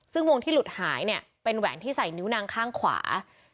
ซึ่งวงที่หลุดหายเนี่ยเป็นแหวนที่ใส่นิ้วนางข้างขวา